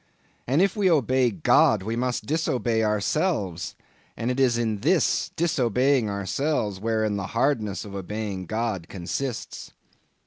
And if we obey God, we must disobey ourselves; and it is in this disobeying ourselves, wherein the hardness of obeying God consists.